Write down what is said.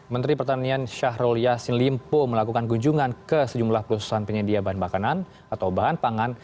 menteri pertanian syahrul yassin limpo melakukan kunjungan ke sejumlah perusahaan penyedia bahan bakaran atau bahan pangan